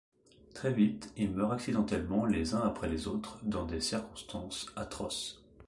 Très vite, ils meurent accidentellement les uns après les autres dans des circonstances atroces.